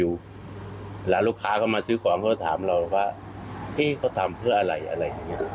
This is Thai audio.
แล้วลูกค้าเขามาซื้อของเขาก็ถามเราว่าพี่เขาทำเพื่ออะไรอะไรอย่างนี้